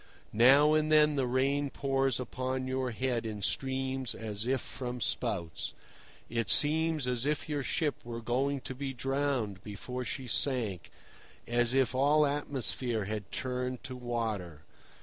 Now and then the rain pours upon your head in streams as if from spouts. It seems as if your ship were going to be drowned before she sank, as if all atmosphere had turned to water.